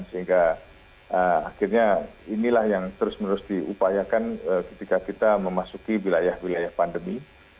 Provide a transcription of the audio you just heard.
sehingga akhirnya inilah yang terus menerus diupayakan ketika kita memasuki wilayah wilayah pandemi